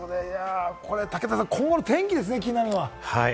武田さん、今後の天気ですね、気になるのは。